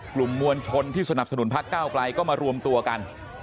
กลุ่มมวลชนที่สนับสนุนพักเก้าไกลก็มารวมตัวกัน